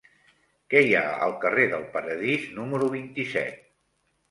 Què hi ha al carrer del Paradís número vint-i-set?